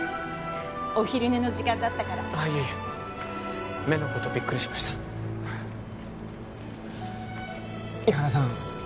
お昼寝の時間だったからあっいえいえ目のことびっくりしました伊原さん